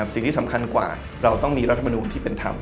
สิ่งที่สำคัญกว่าเราต้องมีรัฐมนูลที่เป็นธรรม